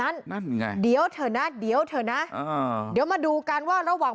นั่นนั่นไงเดี๋ยวเถอะนะเดี๋ยวเถอะนะอ่าเดี๋ยวมาดูกันว่าระหว่าง